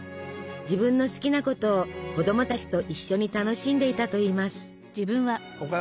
自分の好きなことを子供たちと一緒に楽しんでいたといいます。